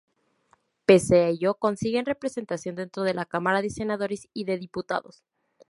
Pese a ello, consiguen representación dentro de la Cámara de Senadores y de Diputados.